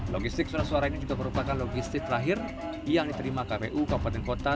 logistik surat suara ini juga merupakan logistik terakhir yang diterima kpu kabupaten kota